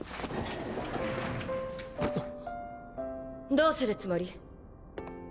どうするつもり？